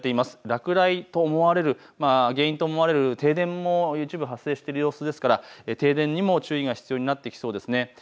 落雷が原因と思われる停電も一部発生している様子ですから停電にも注意が必要になってきそうです。